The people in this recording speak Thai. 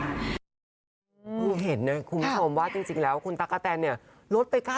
ผมเห็นน่ะคุณผู้ชมว่าจริงแล้วคุณต้าเก้าแตนเนี่ยลดไป๙โกนเลย